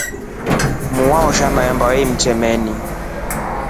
Muu weshomra mahemba alimtemeni.